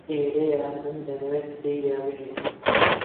ئێرەیە من دەمەوێت تێیدا بژیم.